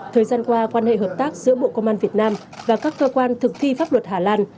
thời gian qua quan hệ hợp tác giữa bộ công an việt nam và các cơ quan thực thi pháp luật hà lan